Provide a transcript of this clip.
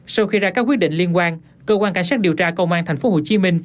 sau khi ra các quyết định liên quan cơ quan cảnh sát điều tra công an tp hcm